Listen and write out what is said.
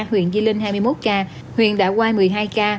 huyện di linh hai mươi một ca huyện đạ quai một mươi hai ca